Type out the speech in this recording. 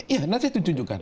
iya nanti saya tunjukkan